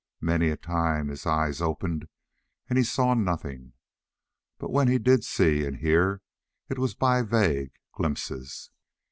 Many a time his eyes opened, and he saw nothing, but when he did see and hear it was by vague glimpses.